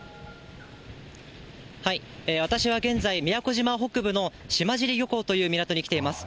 私は現在、宮古島北部のしまじり漁港という港に来ています。